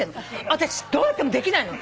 私どうやってもできないの。